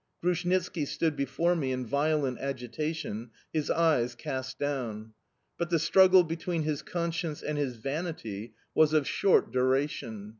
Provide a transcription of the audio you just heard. Grushnitski stood before me in violent agitation, his eyes cast down. But the struggle between his conscience and his vanity was of short duration.